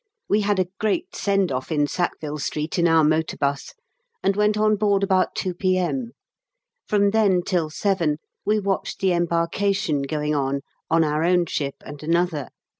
We had a great send off in Sackville Street in our motor bus, and went on board about 2 P.M. From then till 7 we watched the embarkation going on, on our own ship and another.